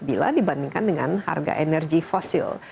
bila dibandingkan dengan harga energi fosil